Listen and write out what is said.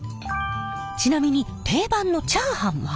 ちなみに定番のチャーハンは？